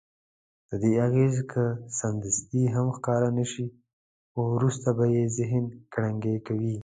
ددې اغېز که سملاسي هم ښکاره نه شي خو وروسته به یې ذهن کړنګوي.